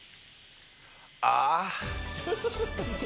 ああ。